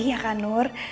iya kak nur